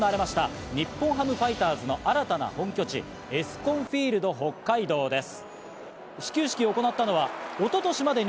昨日、プロ野球の開幕戦が行われました日本ハムファイターズの新たな本拠地、ＥＳＣＯＮＦＩＥＬＤＨＯＫＫＡＩＤＯです。